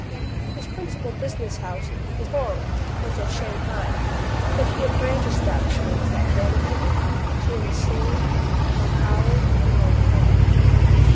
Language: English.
His principal business house, his " hong," was at Shang hai ; but he had branch establishments at Nankin, Tien sing, Macao, and Hong Kong.